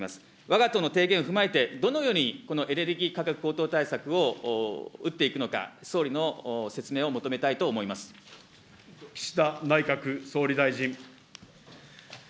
わが党の提言を踏まえて、どのようにこのエネルギー価格高騰対策を打っていくのか、総理の岸田内閣総理大臣。